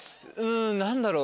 何だろう。